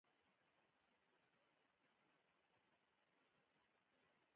روسیه یې د نړیوال بانکي سیستم څخه وویستله.